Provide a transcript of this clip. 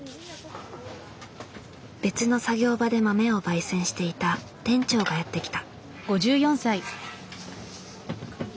別の作業場で豆を焙煎していた店長がやって来た。